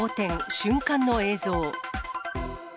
瞬間の映像。